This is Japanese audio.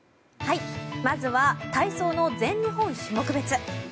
まずは体操の全日本種目別。